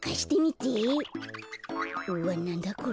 うわなんだこれ。